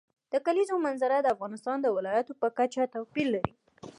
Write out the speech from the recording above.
د کلیزو منظره د افغانستان د ولایاتو په کچه توپیر لري.